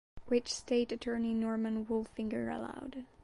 Which State Attorney Norman Wolfinger allowed.